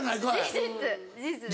事実事実です。